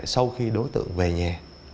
sau khi đối tượng về nhà